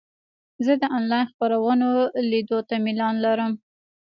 زه د انلاین خپرونو لیدو ته میلان لرم.